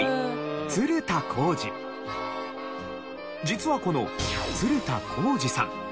実はこの鶴田浩二さん